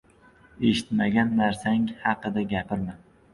— Eshitmagan narsang haqida gapirma.